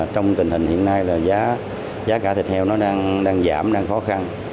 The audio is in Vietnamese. trong tình hình hiện nay là giá cả thịt heo nó đang giảm đang khó khăn